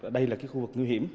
đây là cái khu vực nguy hiểm